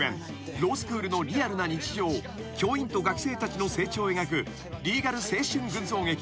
ロースクールのリアルな日常教員と学生たちの成長を描くリーガル青春群像劇］